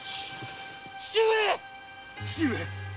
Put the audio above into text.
父上父上！